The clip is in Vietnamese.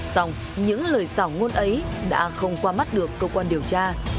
xong những lời xảo ngôn ấy đã không qua mắt được cơ quan điều tra